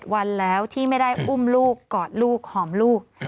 วันแล้วที่ไม่ได้อุ้มลูกกอดลูกหอมลูก